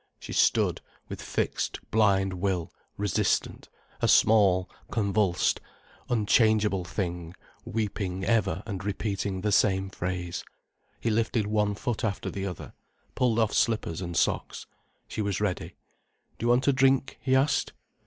She stood, with fixed, blind will, resistant, a small, convulsed, unchangeable thing weeping ever and repeating the same phrase. He lifted one foot after the other, pulled off slippers and socks. She was ready. "Do you want a drink?" he asked.